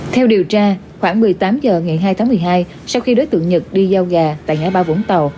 theo điều tra khoảng một mươi tám h ngày hai tháng một mươi hai sau khi đối tượng nhật đi giao gà tại ngã ba vũng tàu